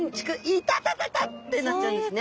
「イタタタタ！」ってなっちゃうんですね。